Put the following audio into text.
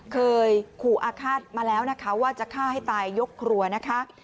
เคยขู่อาฆาตมาแล้วนะคะว่าจะฆ่าให้ตายยกครัวนะคะ